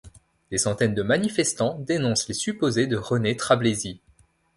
Des centaines de manifestants dénoncent les supposées de René Trablesi.